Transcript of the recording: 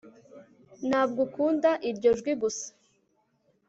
ntabwo ukunda iryo jwi gusa